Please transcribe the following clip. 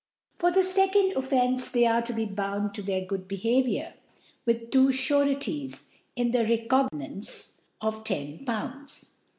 * For the fecond Offence they are to be bound to their good' Behaviour, with two Sureties, in a Recognizance of Ten Pounds j*.